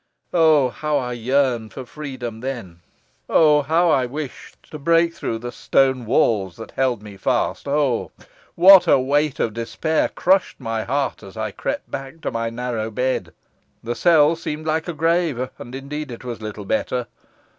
Oh, how I yearned for freedom then! Oh, how I wished to break through the stone walls that held me fast! Oh, what a weight of despair crushed my heart as I crept back to my narrow bed! The cell seemed like a grave, and indeed it was little better.